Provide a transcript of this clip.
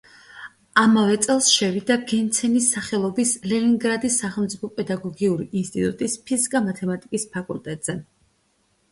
ამავე წელს შევიდა გერცენის სახელობის ლენინგრადის სახელმწიფო პედაგოგიური ინსტიტუტის ფიზიკა-მათემატიკის ფაკულტეტზე.